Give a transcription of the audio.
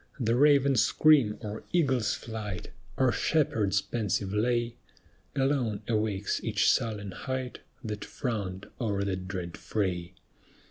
The raven's scream or eagle's flight Or shepherd's pensive lay, Alone awakes each sullen height That frowned o'er that dread fray.